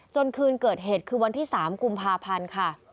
คืนเกิดเหตุคือวันที่๓กุมภาพันธ์ค่ะ